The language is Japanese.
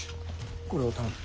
これを頼む。